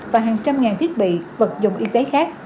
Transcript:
và hàng trăm ngàn thiết bị vật dụng y tế khác